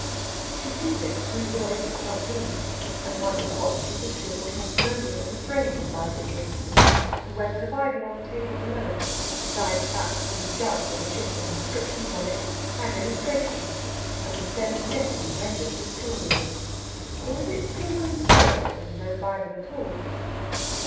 She sees it through the door into the front room, and wonders what the certificate or testimonial in a frame beside it is; and whether the Bible on the table below it, beside the fat blue jug with a ship and inscriptions on it, has illustrations and the Stem of Jesse rendered pictorially. Or is it "Pilgrim's Progress," and no Bible at all?